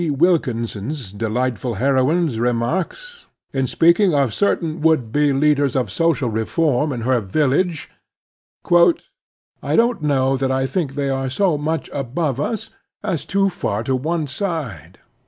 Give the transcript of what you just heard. Wilkins's delightful heroines remarks, in speaking of certain would be leaders of social reform in her village: "I don't know that I think they are so much above us as too far to one side.